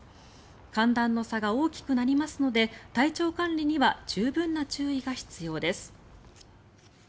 寒暖の差が大きくなりますので体調管理には十分な注意が必要です。